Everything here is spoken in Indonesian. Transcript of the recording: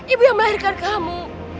ibu yang melahirkan kamu